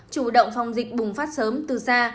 chủ động phòng dịch bùng phát sớm từ xa